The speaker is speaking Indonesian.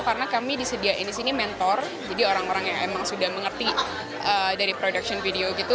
karena kami disediakan di sini mentor jadi orang orang yang emang sudah mengerti dari production video gitu